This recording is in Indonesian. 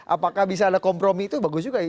apakah bisa ada kompromi itu bagus juga